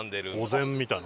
お膳みたいな？